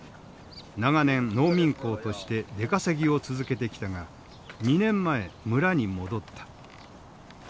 長年農民工として出稼ぎを続けてきたが２年前村に戻った。